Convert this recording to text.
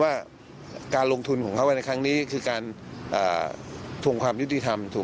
ว่าการลงทุนของเขาไว้ในครั้งนี้คือการทวงความยุติธรรมถูก